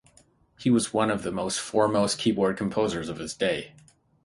He was one of the foremost keyboard composers of his day.